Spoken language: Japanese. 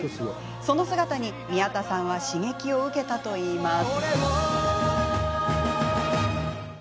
その姿に、宮田さんは刺激を受けたといいます。